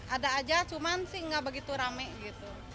ada aja cuman sih nggak begitu rame gitu